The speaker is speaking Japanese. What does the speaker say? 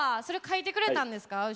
それ書いてくれたんですか？